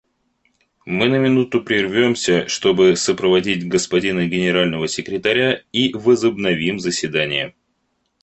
Мы на минуту прервемся, чтобы сопроводить господина Генерального секретаря, и возобновим заседание.